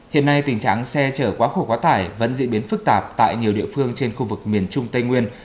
hiện nay tình trạng xe chở quá khổ quá tải vẫn diễn biến phức tạp tại nhiều địa phương trên khu vực miền trung tây nguyên